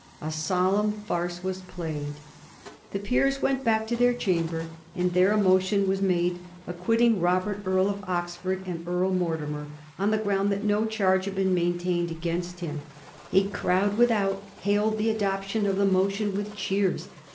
A solemn farce was played. The Peers went back to their chamber, and there a motion was made acquitting ^ Robert, Earl of Oxford and Earl Mortimer,' on the ground that no charge had been maintained against him. A crowd without hailed the adoption of the motion with cheers.